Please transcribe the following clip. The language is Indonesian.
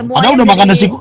padahal udah makan desiku